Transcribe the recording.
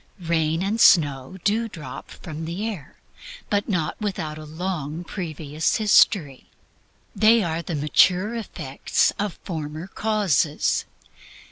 Rain and snow do drop from the air, but not without a long previous history. They are the mature effects of former causes.